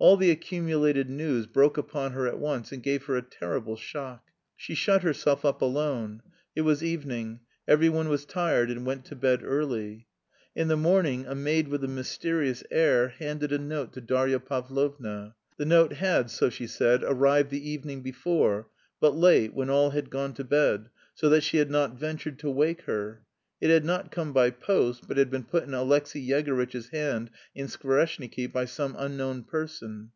All the accumulated news broke upon her at once and gave her a terrible shock. She shut herself up alone. It was evening; every one was tired and went to bed early. In the morning a maid with a mysterious air handed a note to Darya Pavlovna. The note had, so she said, arrived the evening before, but late, when all had gone to bed, so that she had not ventured to wake her. It had not come by post, but had been put in Alexey Yegorytch's hand in Skvoreshniki by some unknown person.